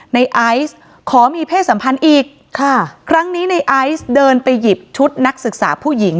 ในไอซ์ขอมีเพศสัมพันธ์อีกค่ะครั้งนี้ในไอซ์เดินไปหยิบชุดนักศึกษาผู้หญิง